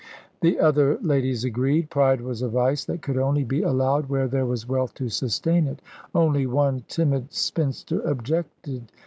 The other ladies agreed. Pride was a vice that could only be allowed where there was wealth to sustain it. Only one timid spinster objected.